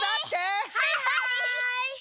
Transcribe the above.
はいはい！